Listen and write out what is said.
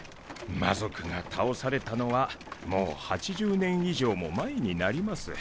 魔族が倒されたのはもう８０年以上も前になります。